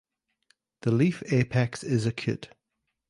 The leaf apex is acute.